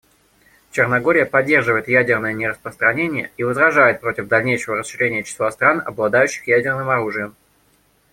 Черногория поддерживает ядерное нераспространение и возражает против дальнейшего расширения числа стран, обладающих ядерным оружием.